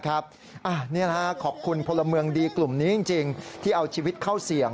ขอบคุณพลเมืองดีกลุ่มนี้จริงที่เอาชีวิตเข้าเสี่ยง